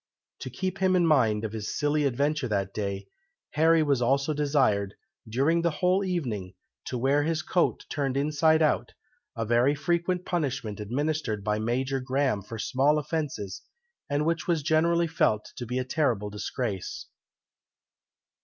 To keep him in mind of his silly adventure that day, Harry was also desired, during the whole evening, to wear his coat turned inside out, a very frequent punishment administered by Major Graham for small offences, and which was generally felt to be a terrible disgrace.